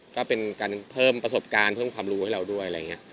ก็เป็นการเพิ่มประศการเพิ่มความรู้ของเราด้วย